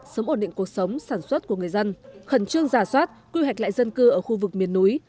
sớm ổn định cuộc sống sản xuất của người dân khẩn trương giả soát quy hoạch lại dân cư ở khu vực miền núi